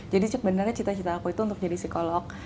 jadi sebenarnya cita cita aku itu untuk jadi psikolog